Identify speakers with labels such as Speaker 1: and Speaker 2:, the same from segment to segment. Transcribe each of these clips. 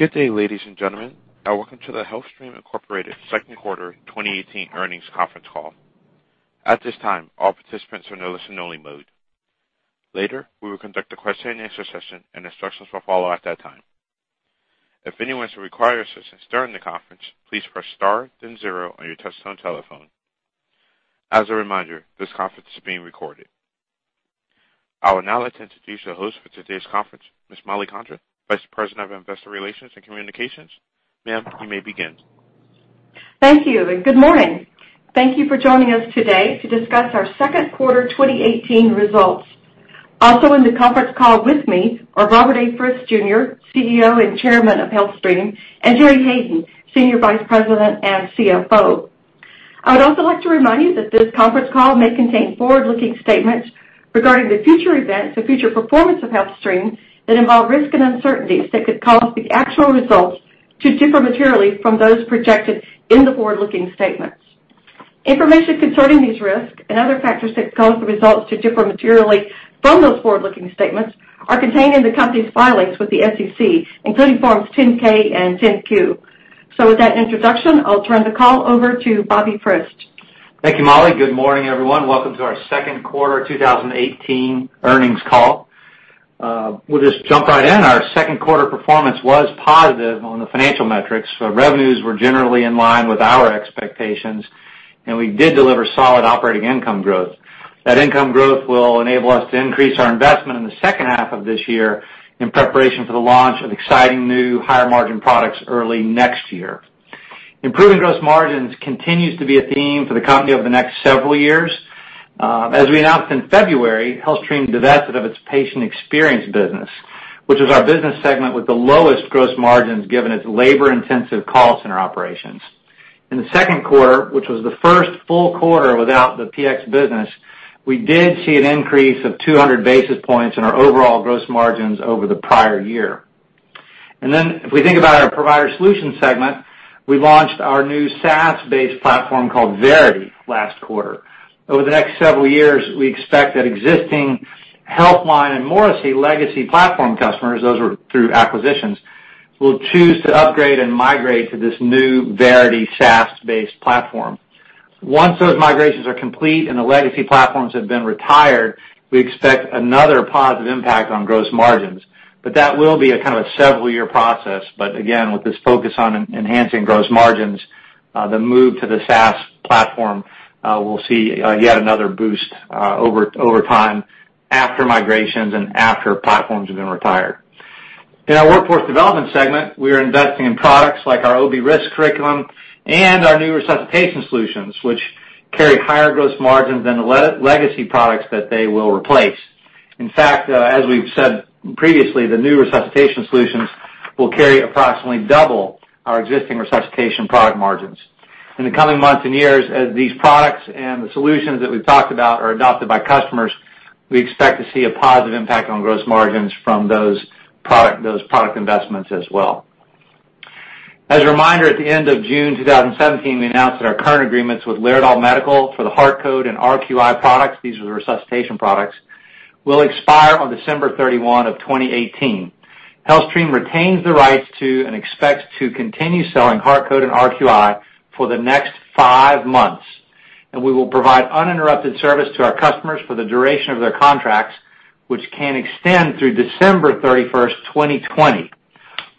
Speaker 1: Good day, ladies and gentlemen, and welcome to the HealthStream, Inc. second quarter 2018 earnings conference call. At this time, all participants are in listen-only mode. Later, we will conduct a question and answer session and instructions will follow at that time. If anyone should require assistance during the conference, please press star then zero on your touchtone telephone. As a reminder, this conference is being recorded. I would now like to introduce your host for today's conference, Ms. Mollie Condra, Vice President of Investor Relations and Communications. Ma'am, you may begin.
Speaker 2: Thank you, and good morning. Thank you for joining us today to discuss our second quarter 2018 results. Also in the conference call with me are Robert A. Frist Jr., CEO and Chairman of HealthStream, and Gerry Hayden, Senior Vice President and CFO. I would also like to remind you that this conference call may contain forward-looking statements regarding the future events or future performance of HealthStream that involve risks and uncertainties that could cause the actual results to differ materially from those projected in the forward-looking statements. Information concerning these risks and other factors that cause the results to differ materially from those forward-looking statements are contained in the company's filings with the SEC, including Forms 10-K and 10-Q. With that introduction, I'll turn the call over to Bobby Frist.
Speaker 3: Thank you, Mollie. Good morning, everyone. Welcome to our second quarter 2018 earnings call. We'll just jump right in. Our second quarter performance was positive on the financial metrics. Revenues were generally in line with our expectations, and we did deliver solid operating income growth. That income growth will enable us to increase our investment in the second half of this year in preparation for the launch of exciting new higher margin products early next year. Improving gross margins continues to be a theme for the company over the next several years. As we announced in February, HealthStream divested of its patient experience business, which is our business segment with the lowest gross margins given its labor-intensive call center operations. In the second quarter, which was the first full quarter without the PX business, we did see an increase of 200 basis points in our overall gross margins over the prior year. Then if we think about our Provider Solutions segment, we launched our new SaaS-based platform called Verity last quarter. Over the next several years, we expect that existing HealthLine and Morrisey legacy platform customers, those were through acquisitions, will choose to upgrade and migrate to this new Verity SaaS-based platform. Once those migrations are complete and the legacy platforms have been retired, we expect another positive impact on gross margins. That will be a kind of a several-year process, but again, with this focus on enhancing gross margins, the move to the SaaS platform will see yet another boost over time after migrations and after platforms have been retired. In our workforce development segment, we are investing in products like our Quality OB curriculum and our new resuscitation solutions, which carry higher gross margins than the legacy products that they will replace. In fact, as we've said previously, the new resuscitation solutions will carry approximately double our existing resuscitation product margins. In the coming months and years, as these products and the solutions that we've talked about are adopted by customers, we expect to see a positive impact on gross margins from those product investments as well. As a reminder, at the end of June 2017, we announced that our current agreements with Laerdal Medical for the HeartCode and RQI products, these are the resuscitation products, will expire on December 31, 2018. HealthStream retains the rights to and expects to continue selling HeartCode and RQI for the next five months, and we will provide uninterrupted service to our customers for the duration of their contracts, which can extend through December 31, 2020.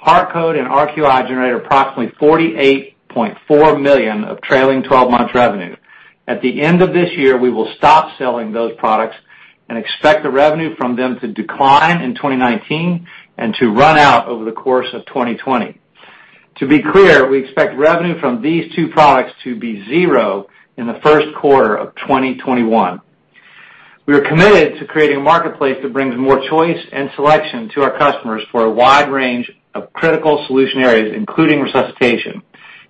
Speaker 3: HeartCode and RQI generate approximately $48.4 million of trailing 12-months revenue. At the end of this year, we will stop selling those products and expect the revenue from them to decline in 2019 and to run out over the course of 2020. To be clear, we expect revenue from these two products to be zero in the first quarter of 2021. We are committed to creating a marketplace that brings more choice and selection to our customers for a wide range of critical solution areas, including resuscitation.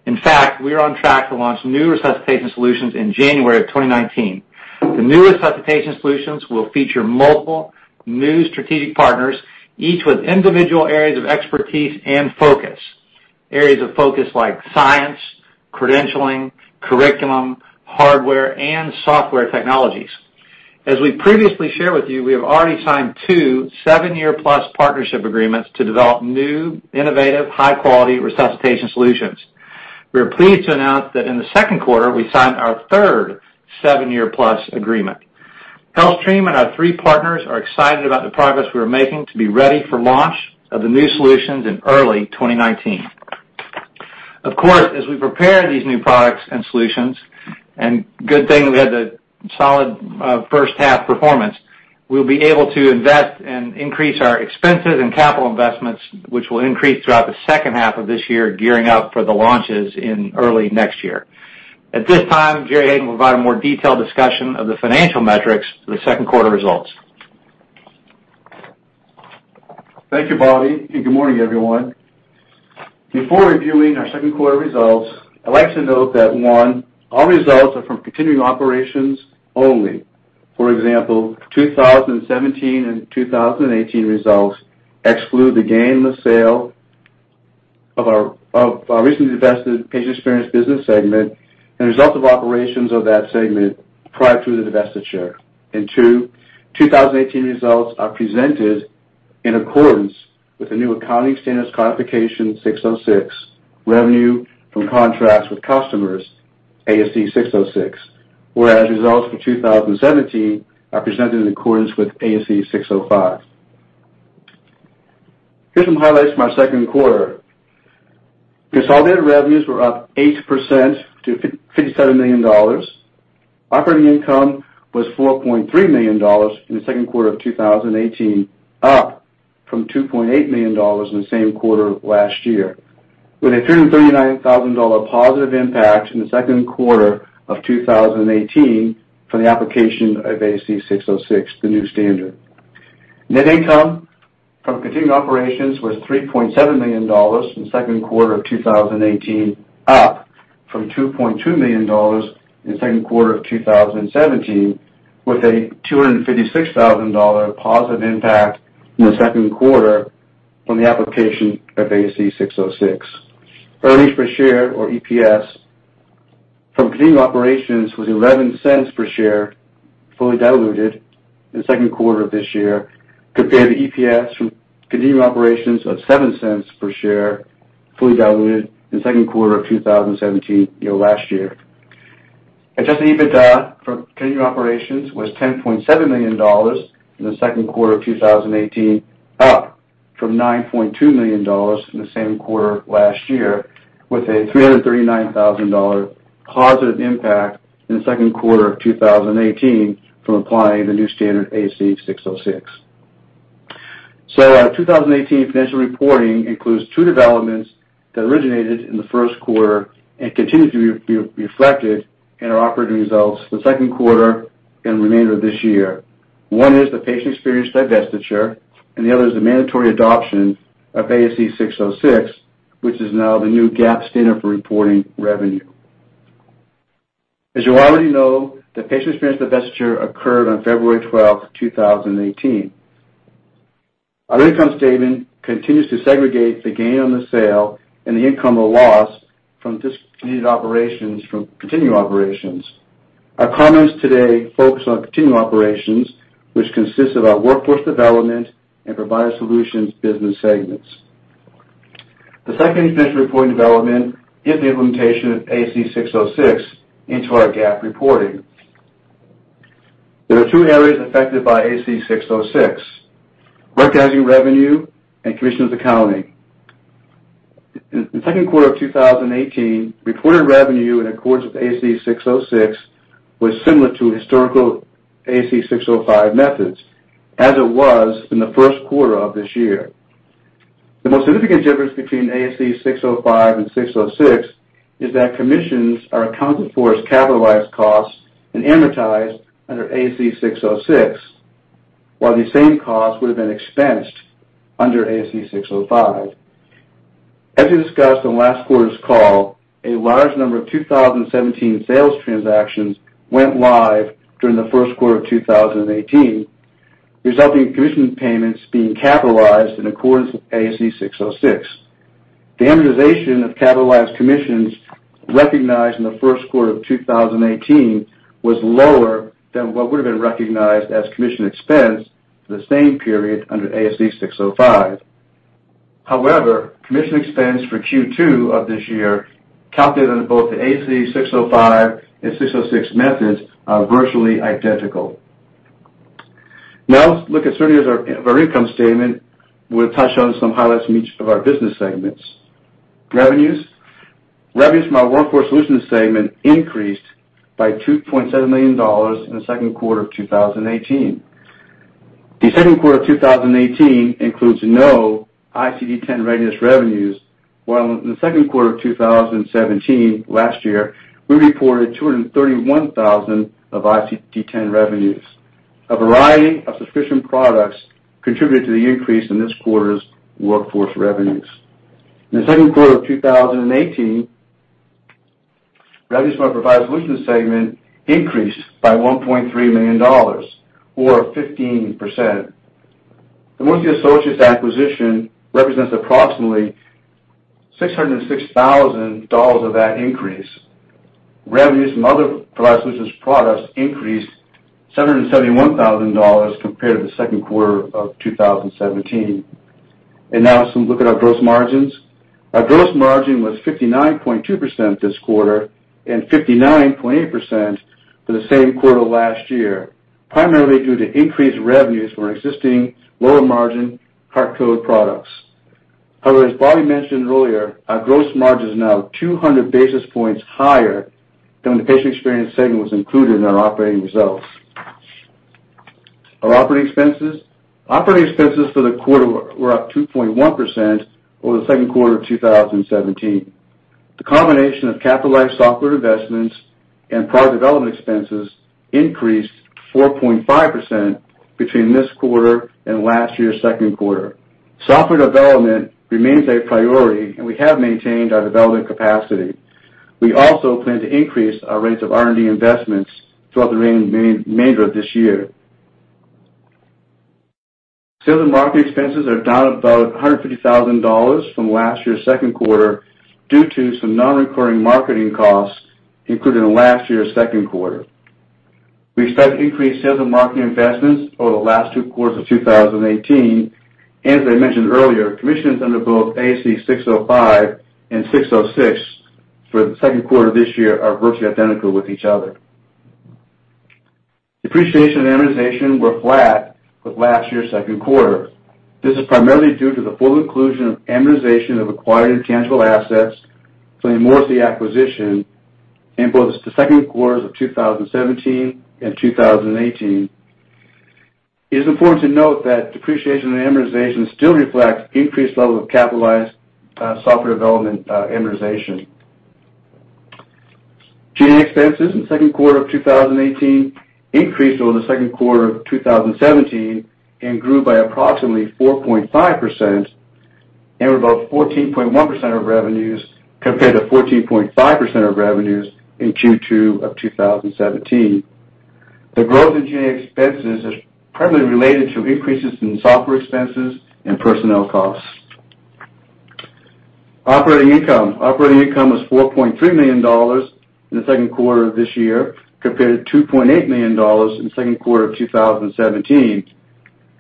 Speaker 3: In fact, we are on track to launch new resuscitation solutions in January 2019. The new resuscitation solutions will feature multiple new strategic partners, each with individual areas of expertise and focus. Areas of focus like science, credentialing, curriculum, hardware, and software technologies. As we previously shared with you, we have already signed two seven-year-plus partnership agreements to develop new, innovative, high-quality resuscitation solutions. We are pleased to announce that in the second quarter, we signed our third seven-year-plus agreement. HealthStream and our three partners are excited about the progress we are making to be ready for launch of the new solutions in early 2019. Of course, as we prepare these new products and solutions, and good thing we had the solid first half performance, we'll be able to invest and increase our expenses and capital investments, which will increase throughout the second half of this year, gearing up for the launches in early next year. At this time, Gerry Hayden will provide a more detailed discussion of the financial metrics for the second quarter results.
Speaker 4: Thank you, Bobby, good morning, everyone. Before reviewing our second quarter results, I'd like to note that, one, all results are from continuing operations only. For example, 2017 and 2018 results exclude the gain in the sale of our recently divested Patient Experience business segment and results of operations of that segment prior to the divestiture. Two, 2018 results are presented in accordance with the new Accounting Standards classification 606, Revenue from Contracts with Customers, ASC 606, whereas results for 2017 are presented in accordance with ASC 605. Here's some highlights from our second quarter. Consolidated revenues were up 8% to $57 million. Operating income was $4.3 million in the second quarter of 2018, up from $2.8 million in the same quarter last year with a $339,000 positive impact in the second quarter of 2018 from the application of ASC 606, the new standard. Net income from continued operations was $3.7 million in the second quarter of 2018, up from $2.2 million in the second quarter of 2017, with a $256,000 positive impact in the second quarter from the application of ASC 606. Earnings per share or EPS from continued operations was $0.11 per share, fully diluted in the second quarter of this year, compared to EPS from continued operations of $0.07 per share, fully diluted in the second quarter of 2017, last year. Adjusted EBITDA from continued operations was $10.7 million in the second quarter of 2018, up from $9.2 million in the same quarter last year, with a $339,000 positive impact in the second quarter of 2018 from applying the new standard ASC 606. Our 2018 financial reporting includes two developments that originated in the first quarter and continue to be reflected in our operating results the second quarter and remainder of this year. One is the Patient Experience divestiture, and the other is the mandatory adoption of ASC 606, which is now the new GAAP standard for reporting revenue. As you already know, the Patient Experience divestiture occurred on February 12th, 2018. Our income statement continues to segregate the gain on the sale and the income or loss from discontinued operations from continuing operations. Our comments today focus on continuing operations, which consist of our Workforce Solutions and Provider Solutions business segments. The second financial reporting development is the implementation of ASC 606 into our GAAP reporting. There are two areas affected by ASC 606, recognizing revenue and commissions accounting. In the second quarter of 2018, reported revenue in accordance with ASC 606 was similar to historical ASC 605 methods, as it was in the first quarter of this year. The most significant difference between ASC 605 and 606 is that commissions are accounted for as capitalized costs and amortized under ASC 606, while the same costs would have been expensed under ASC 605. As we discussed on last quarter's call, a large number of 2017 sales transactions went live during the first quarter of 2018, resulting in commission payments being capitalized in accordance with ASC 606. The amortization of capitalized commissions recognized in the first quarter of 2018 was lower than what would have been recognized as commission expense for the same period under ASC 605. However, commission expense for Q2 of this year, calculated on both the ASC 605 and 606 methods, are virtually identical. Now, let's look at summary of our income statement. We'll touch on some highlights from each of our business segments. Revenues. Revenues from our Workforce Solutions segment increased by $2.7 million in the second quarter of 2018. The second quarter of 2018 includes no ICD-10 readiness revenues, while in the second quarter of 2017, last year, we reported $231,000 of ICD-10 revenues. A variety of subscription products contributed to the increase in this quarter's workforce revenues. In the second quarter of 2018, revenues from our Provider Solutions segment increased by $1.3 million or 15%. The Morrisey Associates acquisition represents approximately $606,000 of that increase. Revenues from other Provider Solutions products increased $771,000 compared to the second quarter of 2017. Now, some look at our gross margins. Our gross margin was 59.2% this quarter and 59.8% for the same quarter last year, primarily due to increased revenues from our existing lower-margin HeartCode products. However, as Bobby mentioned earlier, our gross margin is now 200 basis points higher than when the Patient Experience segment was included in our operating results. Our operating expenses. Operating expenses for the quarter were up 2.1% over the second quarter of 2017. The combination of capitalized software investments and product development expenses increased 4.5% between this quarter and last year's second quarter. Software development remains a priority, and we have maintained our development capacity. We also plan to increase our rates of R&D investments throughout the remainder of this year. Sales and marketing expenses are down about $150,000 from last year's second quarter due to some non-recurring marketing costs included in last year's second quarter. We expect increased sales and marketing investments over the last two quarters of 2018. As I mentioned earlier, commissions under both ASC 605 and ASC 606 for the second quarter this year are virtually identical with each other. Depreciation and amortization were flat with last year's second quarter. This is primarily due to the full inclusion of amortization of acquired intangible assets from the Morrisey acquisition in both the second quarters of 2017 and 2018. It is important to note that depreciation and amortization still reflects increased level of capitalized software development amortization. G&A expenses in the second quarter of 2018 increased over the second quarter of 2017 and grew by approximately 4.5% and were about 14.1% of revenues compared to 14.5% of revenues in Q2 of 2017. The growth in G&A expenses is primarily related to increases in software expenses and personnel costs. Operating income. Operating income was $4.3 million in the second quarter of this year compared to $2.8 million in the second quarter of 2017.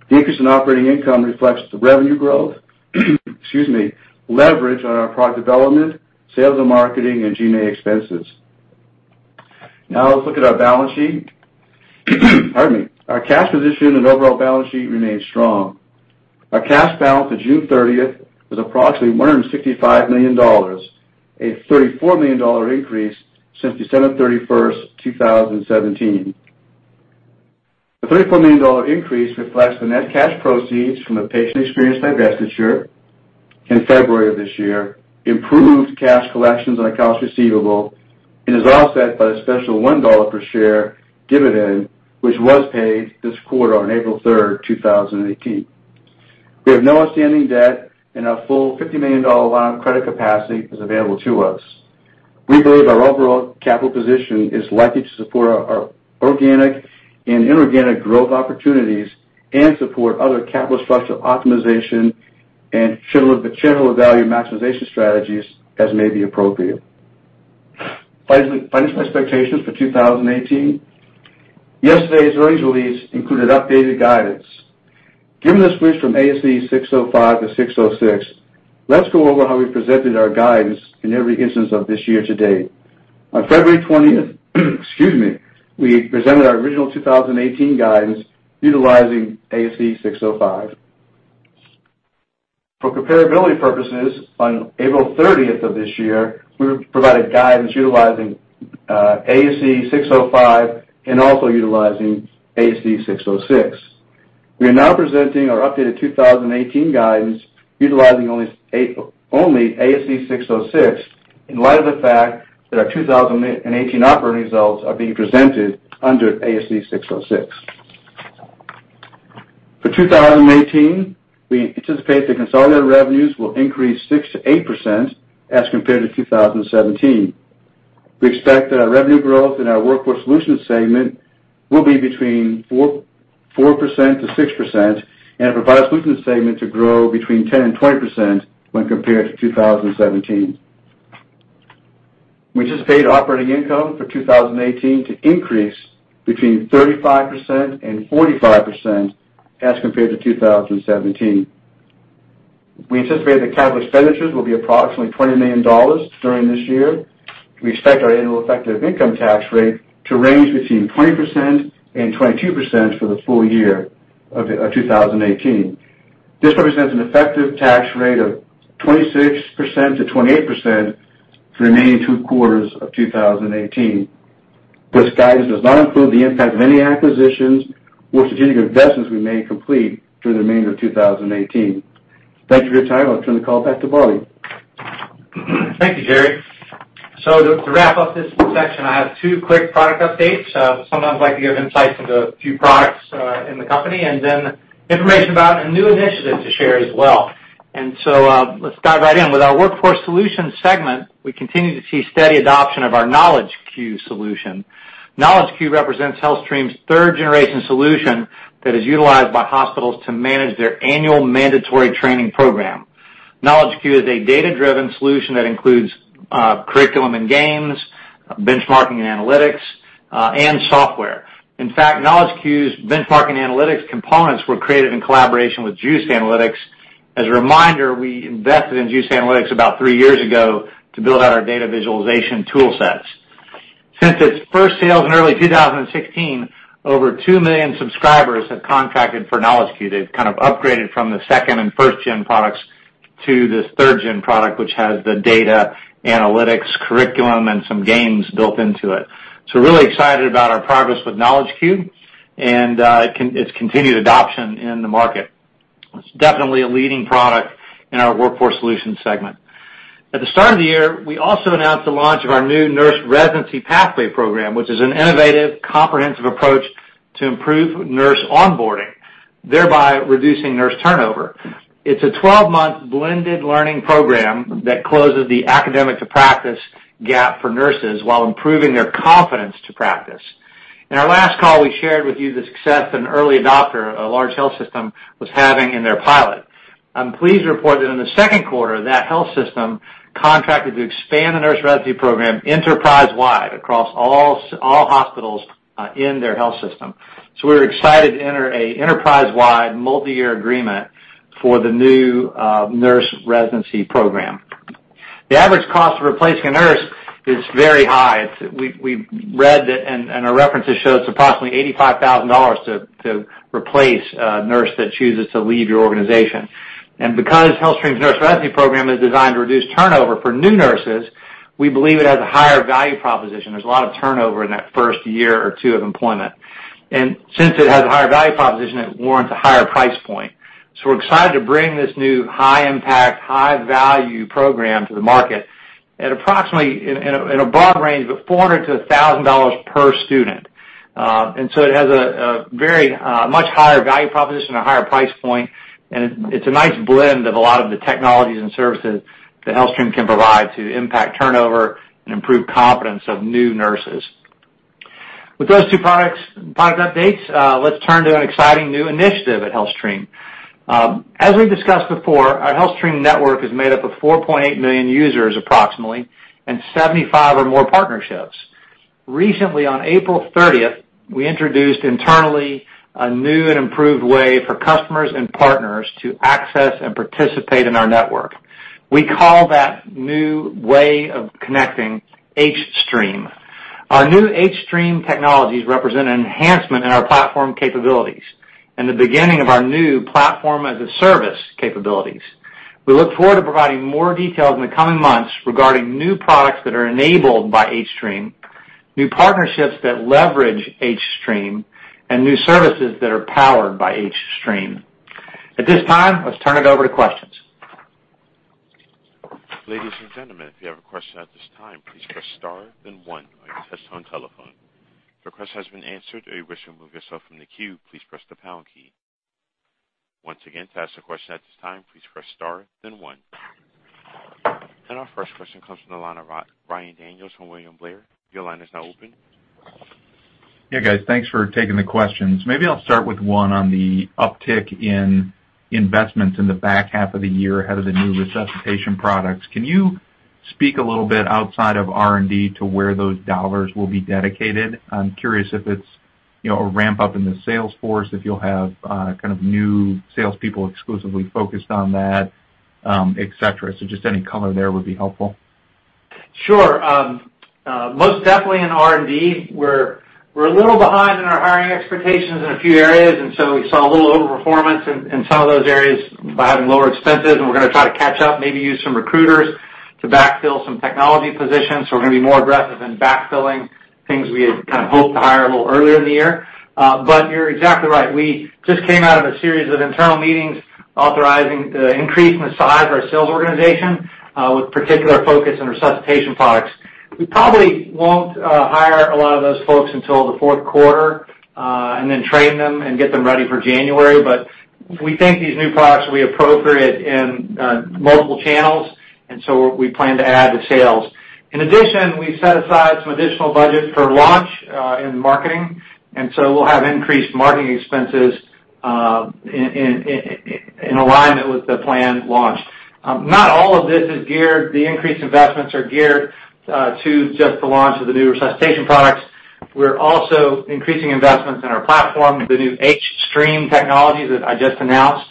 Speaker 4: The increase in operating income reflects the revenue growth, excuse me, leverage on our product development, sales and marketing, and G&A expenses. Now let's look at our balance sheet. Pardon me. Our cash position and overall balance sheet remain strong. Our cash balance as of June 30th was approximately $165 million, a $34 million increase since December 31st, 2017. The $34 million increase reflects the net cash proceeds from the Patient Experience divestiture in February of this year, improved cash collections on accounts receivable, and is offset by the special $1 per share dividend, which was paid this quarter on April 3rd, 2018. We have no outstanding debt, and a full $50 million line of credit capacity is available to us. We believe our overall capital position is likely to support our organic and inorganic growth opportunities and support other capital structure optimization and shareholder value maximization strategies as may be appropriate. Financial expectations for 2018. Yesterday's earnings release included updated guidance. Given the switch from ASC 605 to ASC 606, let's go over how we presented our guidance in every instance of this year to date. On February 20th, excuse me, we presented our original 2018 guidance utilizing ASC 605. For comparability purposes, on April 30th of this year, we provided guidance utilizing ASC 605 and also utilizing ASC 606. We are now presenting our updated 2018 guidance utilizing only ASC 606 in light of the fact that our 2018 operating results are being presented under ASC 606. For 2018, we anticipate the consolidated revenues will increase 6%-8% as compared to 2017. We expect that our revenue growth in our Workforce Solutions segment will be between 4% and 6% and our Provider Solutions segment to grow between 10% and 20% when compared to 2017. We anticipate operating income for 2018 to increase between 35% and 45% as compared to 2017. We anticipate that capital expenditures will be approximately $20 million during this year. We expect our annual effective income tax rate to range between 20% and 22% for the full year of 2018. This represents an effective tax rate of 26%-28% for the remaining two quarters of 2018. This guidance does not include the impact of any acquisitions or strategic investments we may complete through the remainder of 2018. Thank you for your time. I'll turn the call back to Bobby.
Speaker 3: Thank you, Gerry. To wrap up this section, I have two quick product updates. Sometimes I like to give insights into a few products in the company, and then information about a new initiative to share as well. Let's dive right in. With our Workforce Solutions segment, we continue to see steady adoption of our KnowledgeQ solution. KnowledgeQ represents HealthStream's third-generation solution that is utilized by hospitals to manage their annual mandatory training program. KnowledgeQ is a data-driven solution that includes curriculum and games, benchmarking and analytics, and software. In fact, KnowledgeQ's benchmarking analytics components were created in collaboration with Juice Analytics. As a reminder, we invested in Juice Analytics about three years ago to build out our data visualization tool sets. Since its first sales in early 2016, over two million subscribers have contracted for KnowledgeQ. They've kind of upgraded from the second and first-gen products to this third-gen product, which has the data analytics curriculum and some games built into it. We're really excited about our progress with KnowledgeQ and its continued adoption in the market. It's definitely a leading product in our Workforce Solutions segment. At the start of the year, we also announced the launch of our new Nurse Residency Pathway program, which is an innovative, comprehensive approach to improve nurse onboarding, thereby reducing nurse turnover. It's a 12-month blended learning program that closes the academic to practice gap for nurses while improving their confidence to practice. In our last call, we shared with you the success an early adopter, a large health system, was having in their pilot. I'm pleased to report that in the second quarter, that HealthStream contracted to expand the nurse residency program enterprise-wide across all hospitals in their health system. We're excited to enter an enterprise-wide multi-year agreement for the new nurse residency program. The average cost of replacing a nurse is very high. We've read, and our references show it's approximately $85,000 to replace a nurse that chooses to leave your organization. Because HealthStream's nurse residency program is designed to reduce turnover for new nurses, we believe it has a higher value proposition. There's a lot of turnover in that first year or two of employment. Since it has a higher value proposition, it warrants a higher price point. We're excited to bring this new high-impact, high-value program to the market at approximately, in a broad range, but $400 to $1,000 per student. It has a much higher value proposition, a higher price point, and it's a nice blend of a lot of the technologies and services that HealthStream can provide to impact turnover and improve competence of new nurses. With those two product updates, let's turn to an exciting new initiative at HealthStream. As we've discussed before, our HealthStream network is made up of 4.8 million users approximately, and 75 or more partnerships. Recently, on April 30th, we introduced internally a new and improved way for customers and partners to access and participate in our network. We call that new way of connecting hStream. Our new hStream technologies represent an enhancement in our platform capabilities and the beginning of our new platform as a service capabilities. We look forward to providing more details in the coming months regarding new products that are enabled by hStream, new partnerships that leverage hStream, and new services that are powered by hStream. At this time, let's turn it over to questions.
Speaker 1: Ladies and gentlemen, if you have a question at this time, please press star then one on your touchtone telephone. If your question has been answered or you wish to remove yourself from the queue, please press the pound key. Once again, to ask a question at this time, please press star then one. Our first question comes from the line of Ryan Daniels from William Blair. Your line is now open.
Speaker 5: Yeah, guys. Thanks for taking the questions. Maybe I'll start with one on the uptick in investments in the back half of the year ahead of the new resuscitation products. Can you speak a little bit outside of R&D to where those dollars will be dedicated? I'm curious if it's a ramp-up in the sales force, if you'll have kind of new salespeople exclusively focused on that, et cetera. Just any color there would be helpful.
Speaker 3: Sure. Most definitely in R&D, we're a little behind in our hiring expectations in a few areas. We saw a little overperformance in some of those areas by having lower expenses, and we're going to try to catch up, maybe use some recruiters to backfill some technology positions. We're going to be more aggressive in backfilling things we had kind of hoped to hire a little earlier in the year. You're exactly right. We just came out of a series of internal meetings authorizing the increase in the size of our sales organization, with particular focus on resuscitation products. We probably won't hire a lot of those folks until the fourth quarter, and then train them and get them ready for January. We think these new products will be appropriate in multiple channels, and so we plan to add to sales. In addition, we set aside some additional budget for launch in marketing. We'll have increased marketing expenses in alignment with the planned launch. Not all of this is geared, the increased investments are geared to just the launch of the new resuscitation products. We're also increasing investments in our platform. The new hStream technologies that I just announced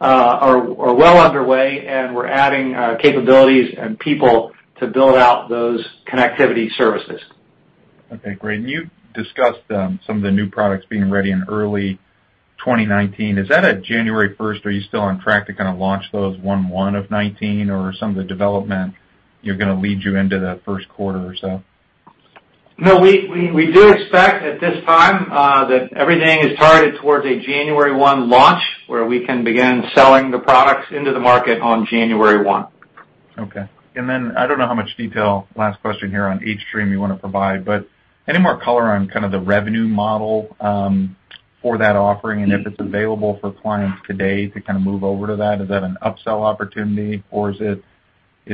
Speaker 3: are well underway, and we're adding capabilities and people to build out those connectivity services.
Speaker 5: Okay. Great. You discussed some of the new products being ready in early 2019. Is that a January 1st? Are you still on track to kind of launch those 01/01 of 2019, or some of the development you're going to lead you into the first quarter or so?
Speaker 3: We do expect at this time that everything is targeted towards a January 1 launch where we can begin selling the products into the market on January 1.
Speaker 5: Okay. I don't know how much detail, last question here on hStream you want to provide, but any more color on kind of the revenue model for that offering and if it's available for clients today to kind of move over to that? Is that an upsell opportunity, or is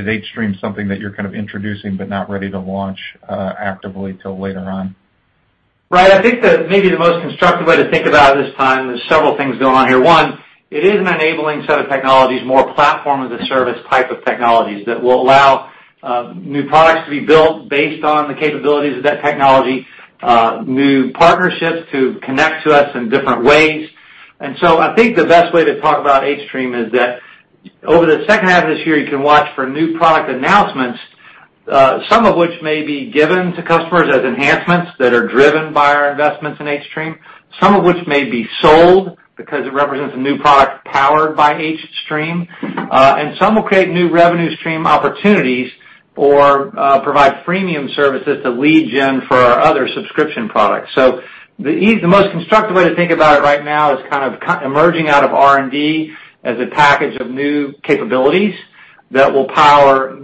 Speaker 5: hStream something that you're kind of introducing but not ready to launch actively till later on?
Speaker 3: Right. I think that maybe the most constructive way to think about it this time, there's several things going on here. One, it is an enabling set of technologies, more platform as a service type of technologies that will allow new products to be built based on the capabilities of that technology, new partnerships to connect to us in different ways. I think the best way to talk about hStream is that over the second half of this year, you can watch for new product announcements, some of which may be given to customers as enhancements that are driven by our investments in hStream, some of which may be sold because it represents a new product powered by hStream, and some will create new revenue stream opportunities or provide premium services to lead gen for our other subscription products. The most constructive way to think about it right now is kind of emerging out of R&D as a package of new capabilities that will power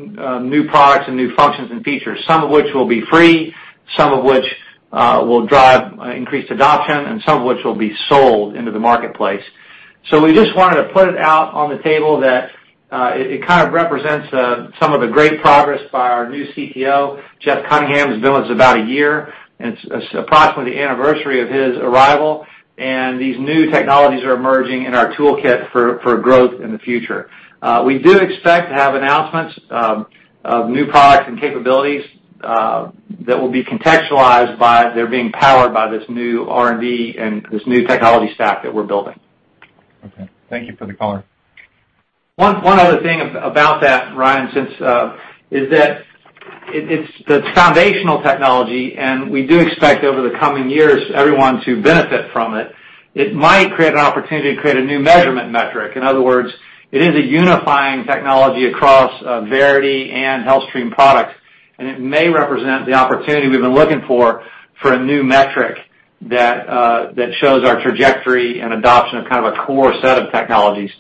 Speaker 3: new products and new functions and features, some of which will be free, some of which will drive increased adoption, and some of which will be sold into the marketplace. We just wanted to put it out on the table that it kind of represents some of the great progress by our new CTO, Jeffrey Cunningham, who's been with us about a year. It's approximately the anniversary of his arrival, and these new technologies are emerging in our toolkit for growth in the future. We do expect to have announcements of new products and capabilities that will be contextualized by their being powered by this new R&D and this new technology stack that we're building.
Speaker 5: Okay. Thank you for the color.
Speaker 3: One other thing about that, Ryan, is that it's foundational technology. We do expect over the coming years, everyone to benefit from it. It might create an opportunity to create a new measurement metric. In other words, it is a unifying technology across Verity and HealthStream products. It may represent the opportunity we've been looking for a new metric that shows our trajectory and adoption of kind of a core set of technologies.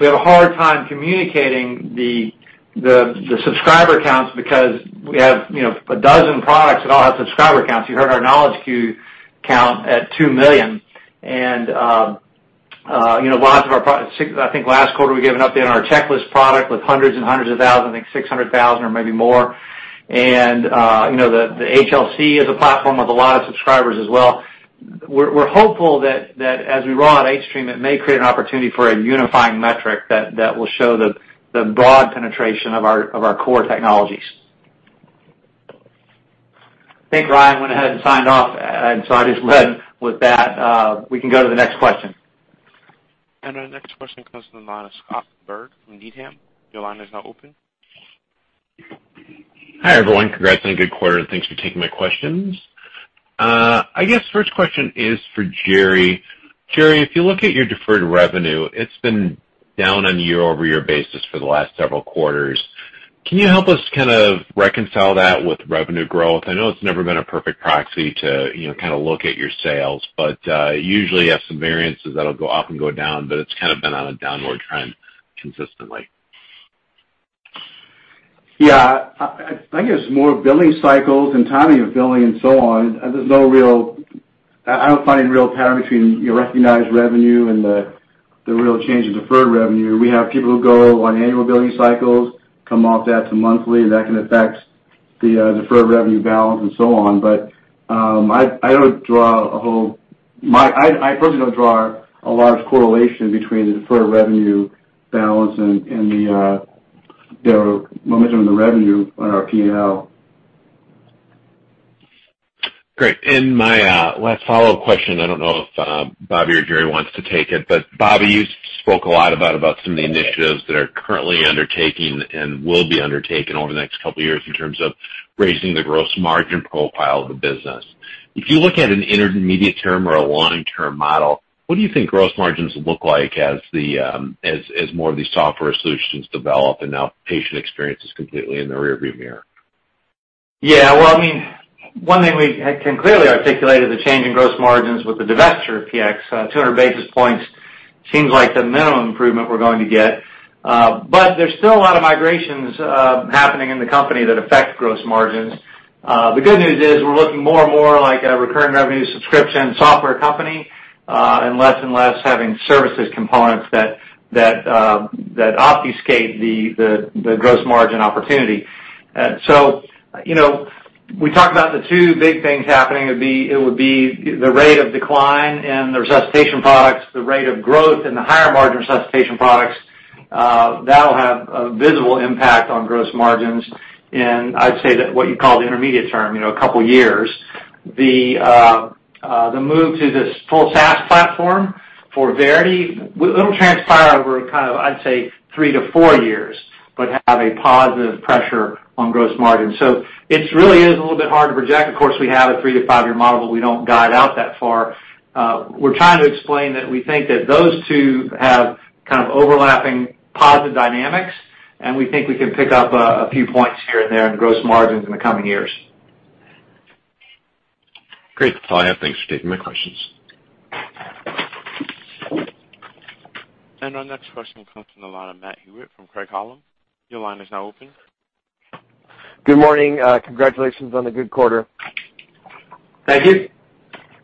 Speaker 3: We have a hard time communicating the subscriber counts because we have 12 products that all have subscriber counts. You heard our KnowledgeQ count at 2 million. I think last quarter, we gave an update on our Checklist product with hundreds and hundreds of thousands, I think 600,000 or maybe more. The HLC is a platform with a lot of subscribers as well. We're hopeful that as we roll out hStream, it may create an opportunity for a unifying metric that will show the broad penetration of our core technologies. I think Ryan went ahead and signed off. I just led with that. We can go to the next question.
Speaker 1: Our next question comes from the line of Scott Berg from Needham. Your line is now open.
Speaker 6: Hi, everyone. Congrats on a good quarter, and thanks for taking my questions. I guess first question is for Gerry. Gerry, if you look at your deferred revenue, it's been down on a year-over-year basis for the last several quarters. Can you help us kind of reconcile that with revenue growth? I know it's never been a perfect proxy to kind of look at your sales, but usually you have some variances that'll go up and go down, but it's kind of been on a downward trend consistently.
Speaker 4: Yeah. I think it's more billing cycles and timing of billing and so on, there's no real. I don't find any real pattern between recognized revenue and the real change in deferred revenue. We have people who go on annual billing cycles, come off that to monthly, and that can affect the deferred revenue balance and so on. I personally don't draw a large correlation between the deferred revenue balance and the momentum of the revenue on our P&L.
Speaker 6: Great. My last follow-up question, I don't know if Bobby or Gerry wants to take it, but Bobby, you spoke a lot about some of the initiatives that are currently undertaking and will be undertaken over the next couple of years in terms of raising the gross margin profile of the business. If you look at an intermediate term or a long-term model, what do you think gross margins look like as more of these software solutions develop and now patient experience is completely in the rear view mirror?
Speaker 3: Yeah. Well, one thing we can clearly articulate is the change in gross margins with the divestiture of PX, 200 basis points seems like the minimum improvement we're going to get. There's still a lot of migrations happening in the company that affect gross margins. The good news is we're looking more and more like a recurring revenue subscription software company, and less and less having services components that obfuscate the gross margin opportunity. We talked about the two big things happening, it would be the rate of decline in the resuscitation products, the rate of growth in the higher margin resuscitation products, that'll have a visible impact on gross margins in, I'd say, what you'd call the intermediate term, a couple of years. The move to this full SaaS platform for Verity, it'll transpire over kind of, I'd say, three to four years, but have a positive pressure on gross margin. It really is a little bit hard to project. Of course, we have a three to five-year model, but we don't guide out that far. We're trying to explain that we think that those two have kind of overlapping positive dynamics. We think we can pick up a few points here and there in gross margins in the coming years.
Speaker 6: Great. That's all I have. Thanks for taking my questions.
Speaker 1: Our next question comes from the line of Matt Hewitt from Craig-Hallum. Your line is now open.
Speaker 7: Good morning. Congratulations on the good quarter.
Speaker 3: Thank you.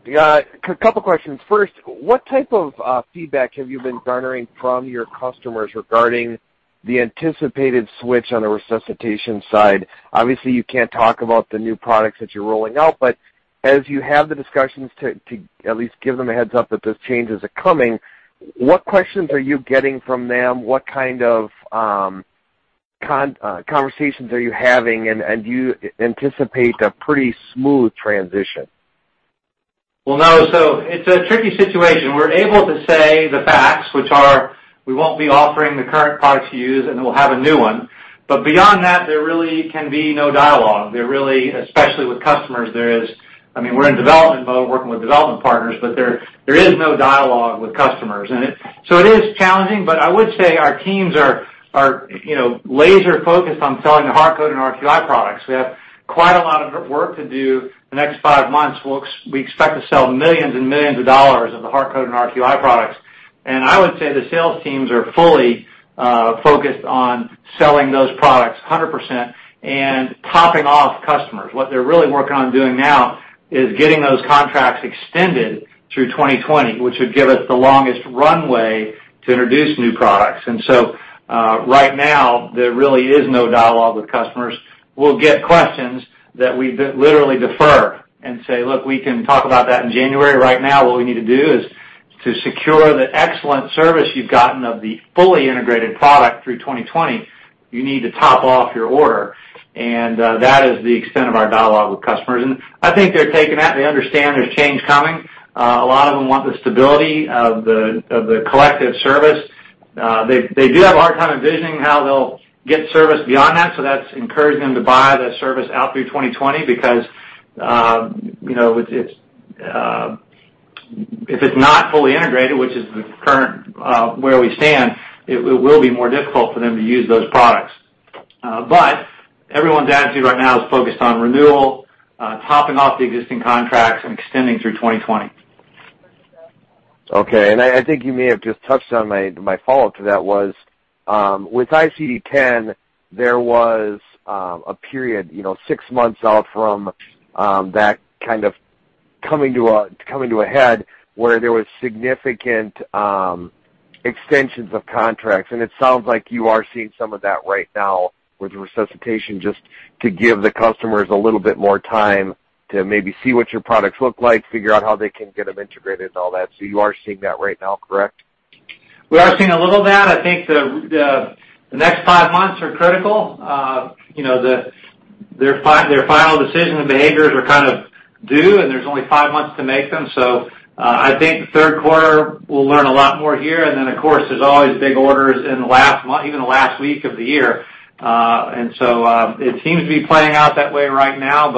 Speaker 7: Yeah. A couple questions. First, what type of feedback have you been garnering from your customers regarding the anticipated switch on the resuscitation side? Obviously, you can't talk about the new products that you're rolling out, but as you have the discussions to at least give them a heads up that those changes are coming, what questions are you getting from them? What kind of conversations are you having, and do you anticipate a pretty smooth transition?
Speaker 3: Well, no. It's a tricky situation. We're able to say the facts, which are, we won't be offering the current product to use, and we'll have a new one. Beyond that, there really can be no dialogue. Especially with customers, we're in development mode working with development partners, but there is no dialogue with customers. It is challenging, but I would say our teams are laser-focused on selling the HeartCode and RQI products. We have quite a lot of work to do the next five months. We expect to sell millions and millions of dollars of the HeartCode and RQI products. I would say the sales teams are fully focused on selling those products 100% and topping off customers. What they're really working on doing now is getting those contracts extended through 2020, which would give us the longest runway to introduce new products. Right now, there really is no dialogue with customers. We'll get questions that we literally defer and say, "Look, we can talk about that in January. Right now, what we need to do is to secure the excellent service you've gotten of the fully integrated product through 2020. You need to top off your order." That is the extent of our dialogue with customers. I think they're taking that. They understand there's change coming. A lot of them want the stability of the collective service. They do have a hard time envisioning how they'll get service beyond that. That's encouraging them to buy that service out through 2020 because, if it's not fully integrated, which is the current where we stand, it will be more difficult for them to use those products. Everyone's attitude right now is focused on renewal, topping off the existing contracts and extending through 2020.
Speaker 7: Okay. I think you may have just touched on my follow-up to that was, with ICD-10, there was a period, six months out from that kind of coming to a head where there was significant extensions of contracts. It sounds like you are seeing some of that right now with resuscitation just to give the customers a little bit more time to maybe see what your products look like, figure out how they can get them integrated and all that. You are seeing that right now, correct?
Speaker 3: We are seeing a little of that. I think the next five months are critical. Their final decision and behaviors are kind of due. There's only five months to make them. I think the third quarter we'll learn a lot more here. Of course, there's always big orders in even the last week of the year. It seems to be playing out that way right now.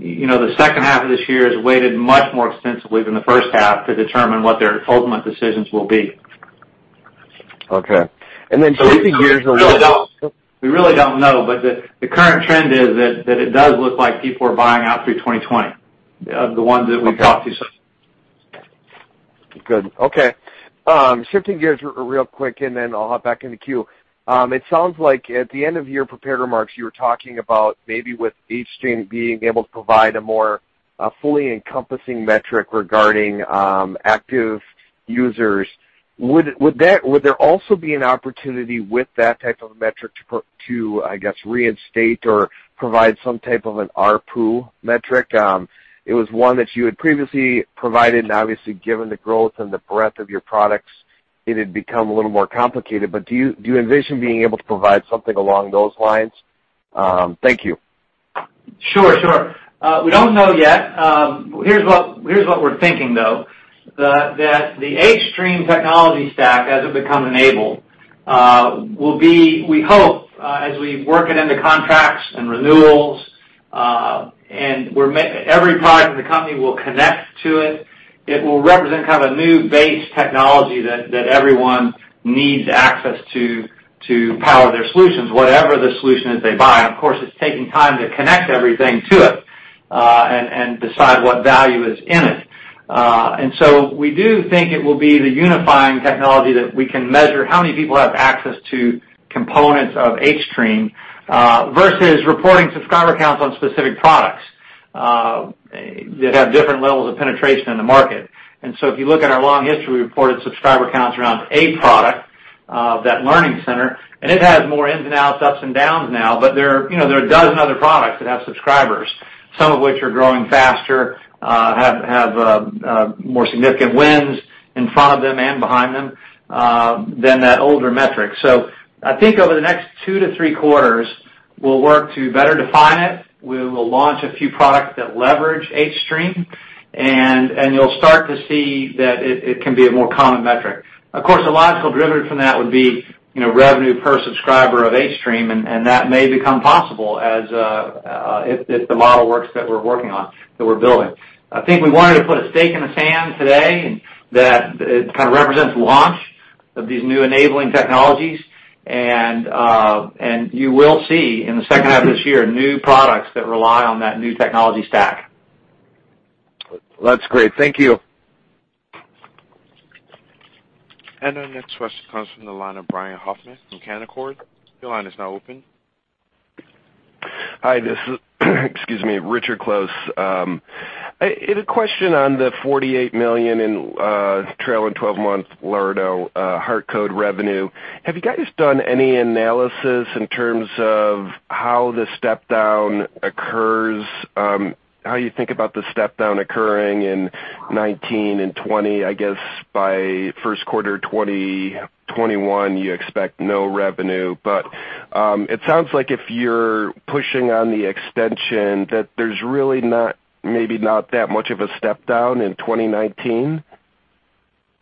Speaker 3: The second half of this year is weighted much more extensively than the first half to determine what their ultimate decisions will be.
Speaker 7: Okay. Switching gears a little-
Speaker 3: We really don't know, but the current trend is that it does look like people are buying out through 2020, of the ones that we talk to.
Speaker 7: Okay. Good. Okay. Shifting gears real quick, then I'll hop back in the queue. It sounds like at the end of your prepared remarks, you were talking about maybe with hStream being able to provide a more fully encompassing metric regarding active users. Would there also be an opportunity with that type of metric to, I guess, reinstate or provide some type of an ARPU metric? It was one that you had previously provided and obviously given the growth and the breadth of your products, it had become a little more complicated. Do you envision being able to provide something along those lines? Thank you.
Speaker 3: Sure. We don't know yet. Here's what we're thinking, though, that the hStream technology stack, as it become enabled, will be, we hope, as we work it into contracts and renewals, every product in the company will connect to it. It will represent kind of a new base technology that everyone needs access to power their solutions, whatever the solution is they buy. Of course, it's taking time to connect everything to it, and decide what value is in it. We do think it will be the unifying technology that we can measure how many people have access to components of hStream, versus reporting subscriber counts on specific products that have different levels of penetration in the market. If you look at our long history, we reported subscriber counts around a product, that Learning Center, and it has more ins and outs, ups and downs now. There are a dozen other products that have subscribers, some of which are growing faster, have more significant wins in front of them and behind them than that older metric. I think over the next two to three quarters, we'll work to better define it. We will launch a few products that leverage hStream, and you'll start to see that it can be a more common metric. Of course, a logical derivative from that would be revenue per subscriber of hStream, and that may become possible if the model works that we're working on, that we're building. I think we wanted to put a stake in the sand today that it kind of represents launch of these new enabling technologies and you will see in the second half of this year, new products that rely on that new technology stack.
Speaker 7: That's great. Thank you.
Speaker 1: Our next question comes from the line of Richard Close from Canaccord. Your line is now open.
Speaker 8: Hi, this is Richard Close. I had a question on the $48 million in trailing 12 months Laerdal HeartCode revenue. Have you guys done any analysis in terms of how the step down occurs? How you think about the step down occurring in 2019 and 2020? I guess by first quarter 2021, you expect no revenue. It sounds like if you're pushing on the extension, that there's really maybe not that much of a step down in 2019.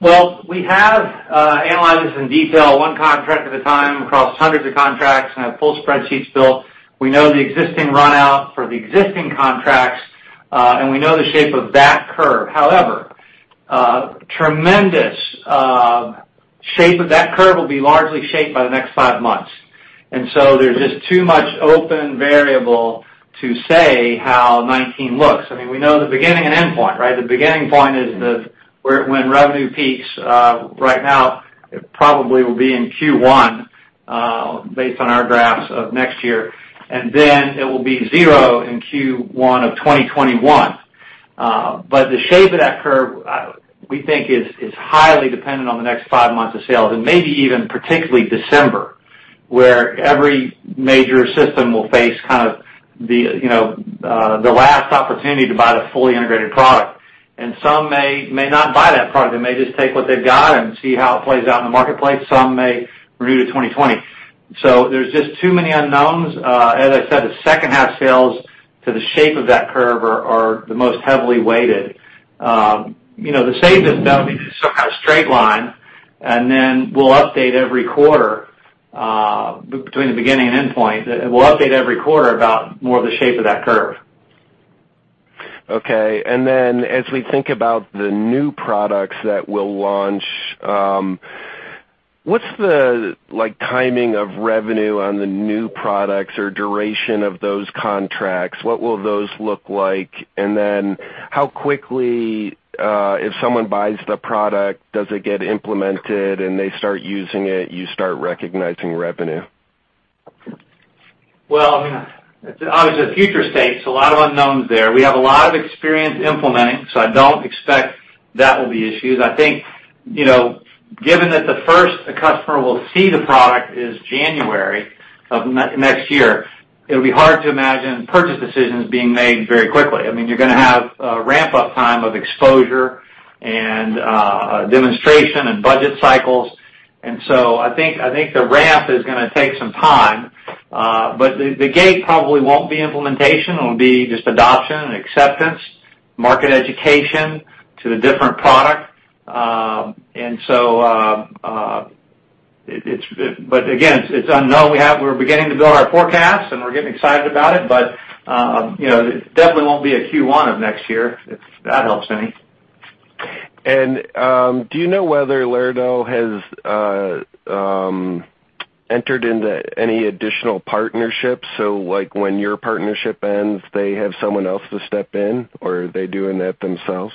Speaker 3: Well, I mean, we have analyzed this in detail one contract at a time across hundreds of contracts and have full spreadsheets built. We know the existing run out for the existing contracts, and we know the shape of that curve. However, tremendous shape of that curve will be largely shaped by the next five months. There's just too much open variable to say how 2019 looks. I mean, we know the beginning and end point, right? The beginning point is when revenue peaks. Right now, it probably will be in Q1, based on our graphs of next year. Then it will be zero in Q1 of 2021. The shape of that curve, we think is highly dependent on the next five months of sales, and maybe even particularly December, where every major system will face the last opportunity to buy the fully integrated product. Some may not buy that product. They may just take what they've got and see how it plays out in the marketplace. Some may renew to 2020. There's just too many unknowns. As I said, the second half sales to the shape of that curve are the most heavily weighted. The safest bet would be just some kind of straight line, we'll update every quarter, between the beginning and end point, we'll update every quarter about more of the shape of that curve.
Speaker 8: Okay. As we think about the new products that we'll launch, what's the timing of revenue on the new products or duration of those contracts? What will those look like? How quickly, if someone buys the product, does it get implemented and they start using it, you start recognizing revenue?
Speaker 3: Well, I mean, obviously a future state, so a lot of unknowns there. We have a lot of experience implementing, so I don't expect that will be issues. I think, given that the first a customer will see the product is January of next year, it'll be hard to imagine purchase decisions being made very quickly. I mean, you're going to have a ramp-up time of exposure and demonstration and budget cycles. I think the ramp is going to take some time. The gate probably won't be implementation. It will be just adoption and acceptance, market education to the different product. Again, it's unknown. We're beginning to build our forecasts and we're getting excited about it, but it definitely won't be at Q1 of next year, if that helps any.
Speaker 8: Do you know whether Laerdal has entered into any additional partnerships? Like when your partnership ends, they have someone else to step in, or are they doing that themselves?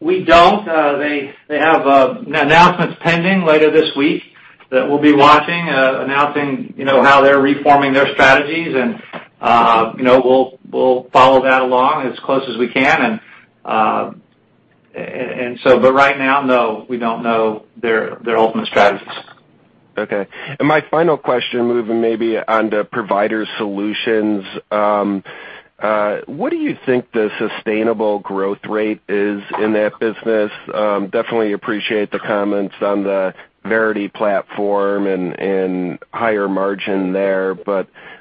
Speaker 3: We don't. They have announcements pending later this week that we'll be watching, announcing how they're reforming their strategies and we'll follow that along as close as we can. Right now, no, we don't know their ultimate strategies.
Speaker 8: Okay. My final question, moving maybe onto Provider Solutions. What do you think the sustainable growth rate is in that business? Definitely appreciate the comments on the Verity platform and higher margin there,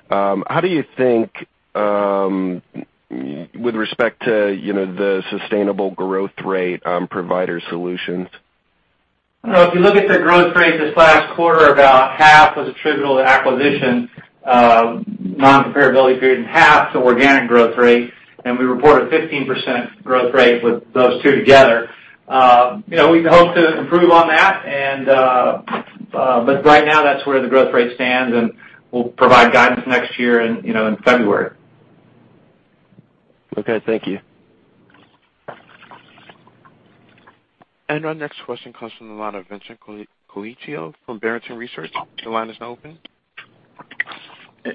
Speaker 8: how do you think with respect to the sustainable growth rate on Provider Solutions?
Speaker 3: If you look at the growth rate this last quarter, about half was attributable to acquisition, non-comparability period, and half to organic growth rate. We reported 15% growth rate with those two together. We hope to improve on that, right now that's where the growth rate stands, we'll provide guidance next year in February.
Speaker 8: Okay, thank you.
Speaker 1: Our next question comes from the line of Vincent Colicchio from Barrington Research. The line is now open.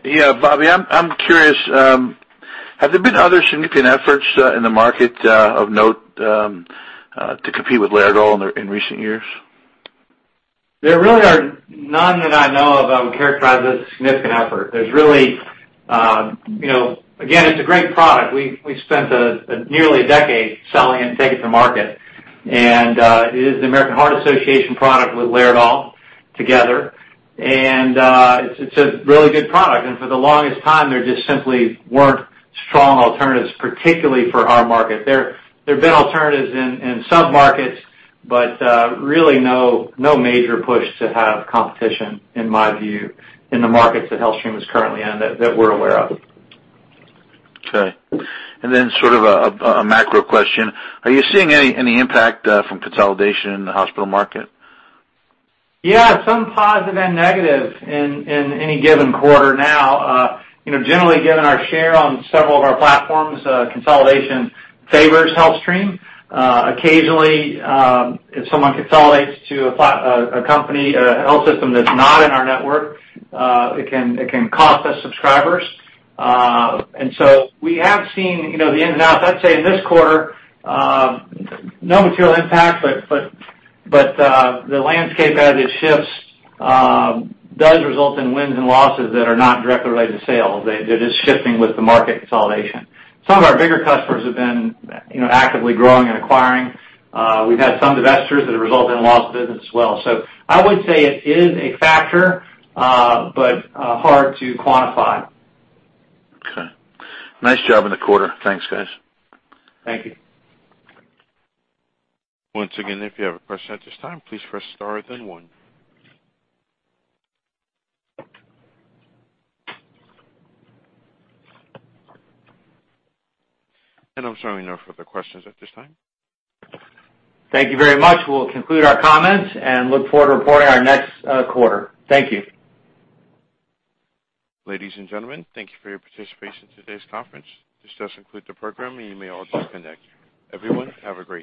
Speaker 9: Yeah, Bobby, I'm curious, have there been other significant efforts in the market of note to compete with Laerdal in recent years?
Speaker 3: There really are none that I know of I would characterize as a significant effort. Again, it's a great product. We spent nearly a decade selling it and taking it to market. It is the American Heart Association product with Laerdal together. It's a really good product. For the longest time, there just simply weren't strong alternatives, particularly for our market. There have been alternatives in some markets, but really no major push to have competition, in my view, in the markets that HealthStream is currently in, that we're aware of.
Speaker 9: Okay. Then sort of a macro question. Are you seeing any impact from consolidation in the hospital market?
Speaker 3: Yeah, some positive and negative in any given quarter now. Generally, given our share on several of our platforms, consolidation favors HealthStream. Occasionally, if someone consolidates to a company, a health system that's not in our network, it can cost us subscribers. We have seen the ins and outs. I'd say this quarter, no material impact, but the landscape as it shifts does result in wins and losses that are not directly related to sales. They're just shifting with the market consolidation. Some of our bigger customers have been actively growing and acquiring. We've had some divestitures that have resulted in a loss of business as well. I would say it is a factor, but hard to quantify.
Speaker 9: Okay. Nice job in the quarter. Thanks, guys.
Speaker 3: Thank you.
Speaker 1: Once again, if you have a question at this time, please press star then one. I'm showing no further questions at this time.
Speaker 3: Thank you very much. We'll conclude our comments and look forward to reporting our next quarter. Thank you.
Speaker 1: Ladies and gentlemen, thank you for your participation in today's conference. This does conclude the program, and you may all disconnect. Everyone, have a great day.